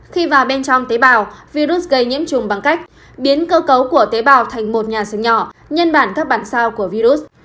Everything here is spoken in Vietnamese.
khi vào bên trong tế bào virus gây nhiễm trùng bằng cách biến cơ cấu của tế bào thành một nhà sưng nhỏ nhân bản các bản sao của virus